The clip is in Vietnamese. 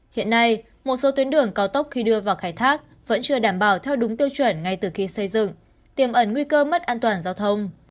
hiện nay một số tuyến đường cao tốc khi đưa vào khai thác vẫn chưa đảm bảo theo đúng tiêu chuẩn ngay từ khi xây dựng tiềm ẩn nguy cơ mất an toàn giao thông